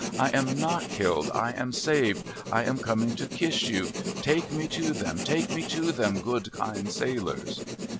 I am not killed. I am saved. I am coming to kiss you. Take me to them, take me to them, good, kind sailors